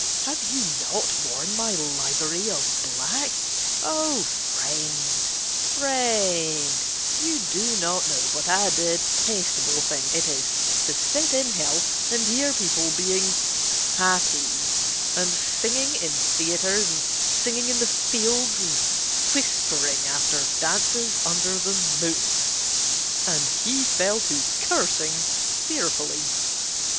Have you not worn my livery of black? O friend, friend, you do not know what a detestable thing it is to sit in hell and hear people being happy, and singing in theatres and singing in the fields, and whispering after dances under the moon," and he fell to cursing fearfully.